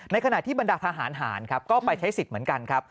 ขณะที่บรรดาทหารหารครับก็ไปใช้สิทธิ์เหมือนกันครับ